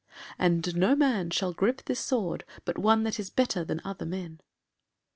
And no man shall grip this sword but one that is better than other men.